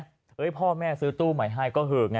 ไอ้พ่อแม่ซื้อตู้ใหม่ให้ก็เหลือกไง